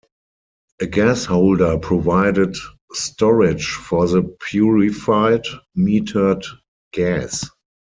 A gas holder provided storage for the purified, metered gas.